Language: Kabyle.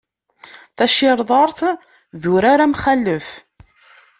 Tacirḍart d urar amxalef.